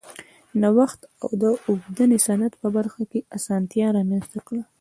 نوښت د اوبدنې صنعت په برخه کې اسانتیا رامنځته کړه.